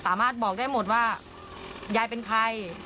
สามารถบอกได้หมดว่ายายเป็นใคร